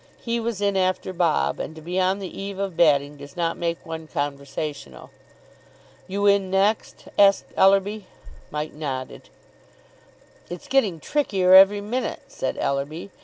He was in after Bob, and to be on the eve of batting does not make one conversational. "You in next?" asked Ellerby. Mike nodded. "It's getting trickier every minute," said Ellerby.